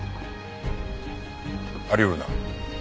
有り得るな。